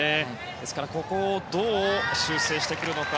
ですから、ここをどう修正してくるのか。